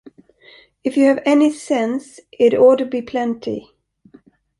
If you have any sense it ought to be plenty.